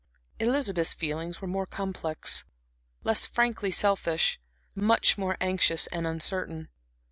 Elizabeth's feelings were more complex, less frankly selfish, much more anxious and uncertain.